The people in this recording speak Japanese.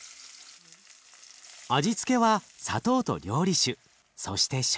味付けは砂糖と料理酒そしてしょうゆ。